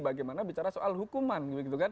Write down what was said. bagaimana bicara soal hukuman